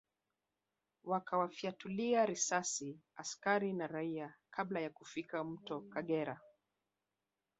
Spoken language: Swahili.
Wakawafyatulia risasi askari na raia kabla ya kufika Mto Kagera